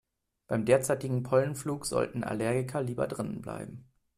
Beim derzeitigen Pollenflug sollten Allergiker lieber drinnen bleiben.